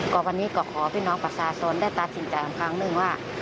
ก็วันนี้ก็ขอพี่น้องประชาชนได้ตัดสินใจอีกครั้งหนึ่งว่า